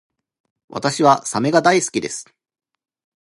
私はサメが好きです